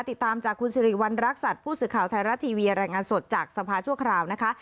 ติดตามจากคุณสิริวัณรักษัตริย์ผู้สื่อข่าวไทยรัฐทีวีรายงานสดจากสภาชั่วคราวนะคะ